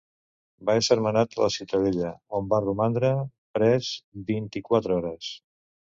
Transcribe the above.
Va esser menat a la Ciutadella, on va romandre pres vint-i-quatre hores.